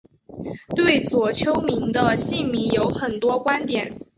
对左丘明的姓名有很多观点。